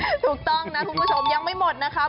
ถูกต้องนะคุณผู้ชมยังไม่หมดนะคะ